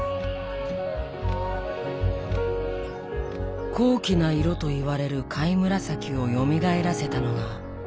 高貴な色といわれる「貝紫」をよみがえらせたのがこの２人。